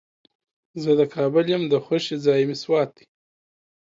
زه د کابل یم، د خوښې ځای مې سوات دی.